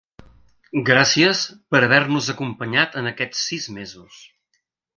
Gràcies per haver-nos acompanyat en aquests sis mesos.